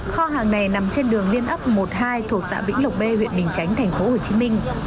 kho hàng này nằm trên đường liên ấp một mươi hai thuộc xã vĩnh lộc b huyện bình chánh tp hcm